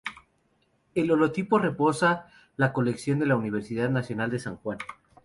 El holotipo reposa en la colección de la Universidad Nacional de San Juan.